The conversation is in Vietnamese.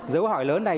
dấu hỏi lớn này